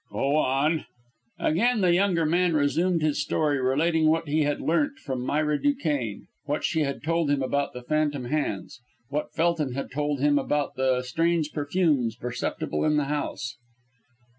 "Go on." Again the younger man resumed his story, relating what he had learnt from Myra Duquesne; what she had told him about the phantom hands; what Felton had told him about the strange perfume perceptible in the house.